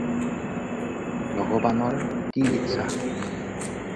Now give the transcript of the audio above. ভগৱানৰ কি ইচ্ছা